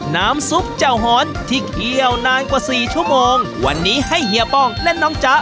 น้ำซุปเจ้าหอนที่เคี่ยวนานกว่าสี่ชั่วโมงวันนี้ให้เฮียป้องและน้องจ๊ะ